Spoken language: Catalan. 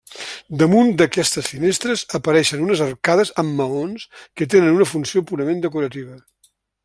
Damunt d'aquestes finestres apareixen unes arcades amb maons que tenen una funció purament decorativa.